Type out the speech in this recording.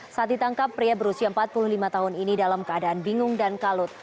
saat ditangkap pria berusia empat puluh lima tahun ini dalam keadaan bingung dan kalut